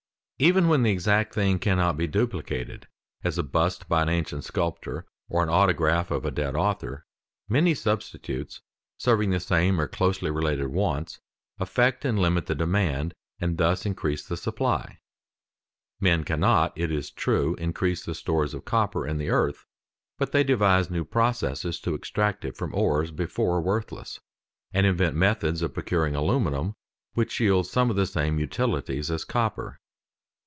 Even when the exact thing cannot be duplicated, as a bust by an ancient sculptor or an autograph of a dead author, many substitutes serving the same or closely related wants, affect and limit the demand, and thus increase the supply. Men cannot, it is true, increase the stores of copper in the earth, but they devise new processes to extract it from ores before worthless, and invent methods of procuring aluminium, which yields some of the same utilities as copper.